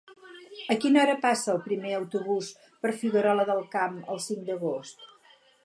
A quina hora passa el primer autobús per Figuerola del Camp el cinc d'agost?